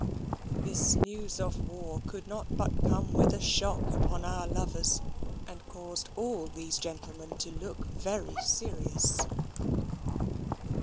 This news of war could not but come with a shock upon our lovers, and caused all these gentlemen to look very serious.